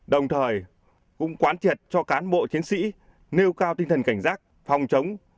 đồng thời cũng quán triệt cho cán bộ chiến sĩ nêu cao tinh thần cảnh giác phòng chống